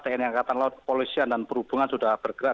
tni angkatan laut polisian dan perhubungan sudah bergerak